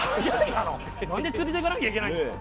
なんで連れて行かなきゃいけないんですか。